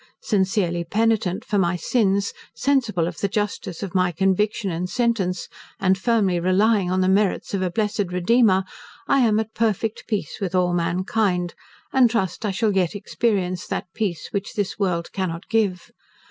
Sincerely penitent for my sins; sensible of the justice of my conviction and sentence, and firmly relying on the merits of a Blessed Redeemer, I am at perfect peace with all mankind, and trust I shall yet experience that peace, which this world cannot give.